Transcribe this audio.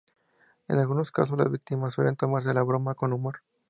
En algunos casos las víctimas suelen tomarse la "broma" con humor.